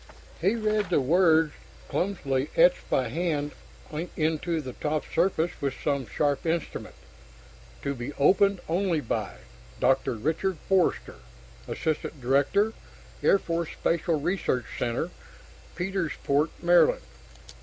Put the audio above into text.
He read the words clumsily etched by hand into the top surface with some sharp instrument: TO BE OPENED ONLY BY: Dr. Richard Forster, Assistant Director, Air Force Special Research Center, Petersport, Md.